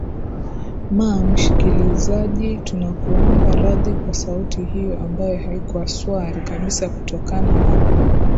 ma mshikilizaji tunakuomba radhi kwa sauti hiyo ambayo haikua swari kabisa kutokana na